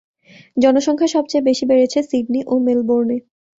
জনসংখ্যা সবচেয়ে বেশি বেড়েছে সিডনি ও মেলবোর্নে।